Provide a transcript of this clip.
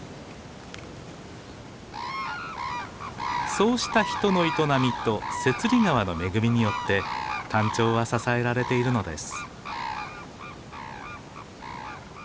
そうした人の営みと雪裡川の恵みによってタンチョウは支えられているのです。